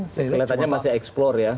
keliatannya masih eksplor ya